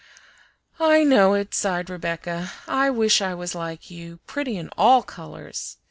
"I know it," sighed Rebecca "I wish I was like you pretty in all colors!"